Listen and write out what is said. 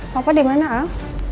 papa dimana al